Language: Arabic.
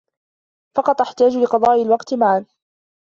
فقط أحتاج لقاء الوقت معك.